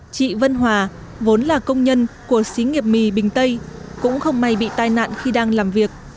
chị vân hòa vốn là công nhân của xí nghiệp mì bình tây cũng không may bị tai nạn khi đang làm việc